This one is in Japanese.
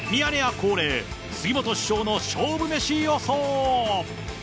恒例、杉本師匠の勝負メシ予想。